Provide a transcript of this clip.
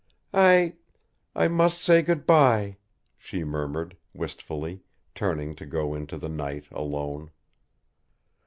"I I must say good by," she murmured, wistfully, turning to go out into the night alone.